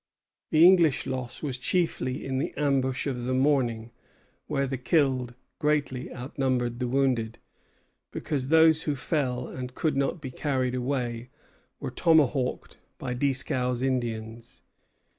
The English loss was chiefly in the ambush of the morning, where the killed greatly outnumbered the wounded, because those who fell and could not be carried away were tomahawked by Dieskau's Indians.